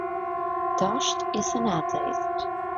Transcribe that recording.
Deutsch is an atheist.